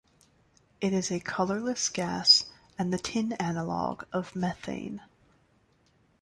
It is a colourless gas and the tin analogue of methane.